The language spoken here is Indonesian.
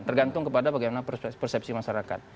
tergantung kepada bagaimana persepsi masyarakat